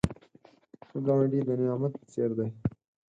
ښه ګاونډی د نعمت په څېر دی